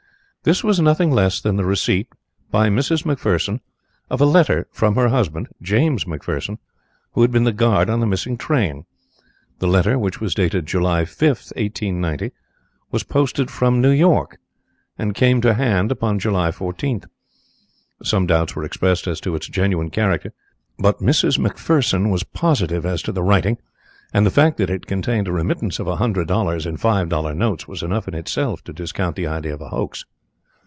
This was nothing less than the receipt by Mrs. McPherson of a letter from her husband, James McPherson, who had been the guard on the missing train. The letter, which was dated July 5th, 1890, was posted from New York and came to hand upon July 14th. Some doubts were expressed as to its genuine character but Mrs. McPherson was positive as to the writing, and the fact that it contained a remittance of a hundred dollars in five dollar notes was enough in itself to discount the idea of a hoax.